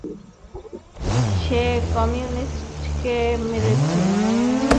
সে কমিউনিস্টদেরকে মেরেছে, আর কমিউনিস্টরা হচ্ছে শয়তান!